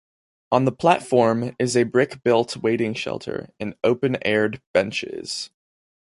On the platform is a brick built waiting shelter and open aired benches.